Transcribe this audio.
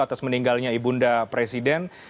atas meninggalnya ibu unda presiden